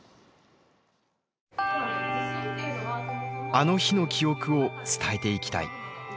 あの日の記憶を伝えていきたい。